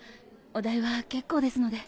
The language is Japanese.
お代は結構ですので。